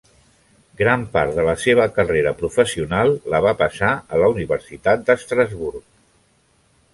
Gran part de la seva carrera professional la va passar a la Universitat d'Estrasburg.